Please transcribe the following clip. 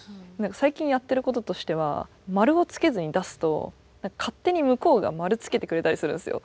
最近やってることとしては丸をつけずに出すと勝手に向こうが丸つけてくれたりするんですよ。